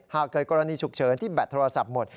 หากเกิดกรณีฉุกเฉินที่แบตโทรศัพท์หมด